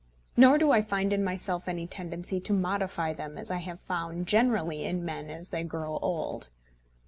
Nor do I find in myself any tendency to modify them as I have found generally in men as they grow old.